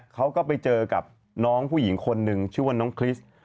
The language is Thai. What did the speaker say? เขาก็ไปเจอกับน้องผู้หญิงคนหนึ่งชื่อว่าน้องคริสต์